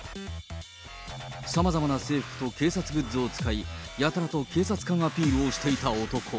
さまざまな制服と警察グッズを使い、やたらと警察官アピールをしていた男。